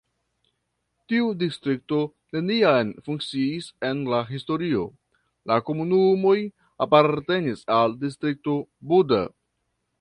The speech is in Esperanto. Tiu distrikto neniam funkciis em la historio, la komunumoj apartenis al Distrikto Buda.